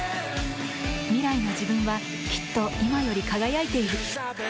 未来の自分はきっと今より輝いている。